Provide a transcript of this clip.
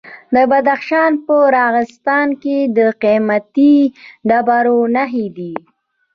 د بدخشان په راغستان کې د قیمتي ډبرو نښې دي.